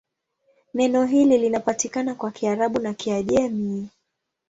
Neno hili linapatikana kwa Kiarabu na Kiajemi.